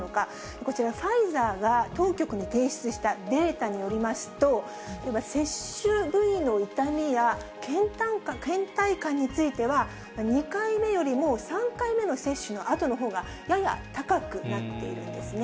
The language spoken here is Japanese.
こちら、ファイザーが当局に提出したデータによりますと、接種部位の痛みやけん怠感については、２回目よりも３回目の接種のあとの方がやや高くなっているんですね。